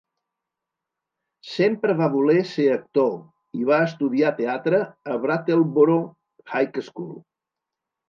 Sempre va voler ser actor i va estudiar teatre a Brattleboro High School.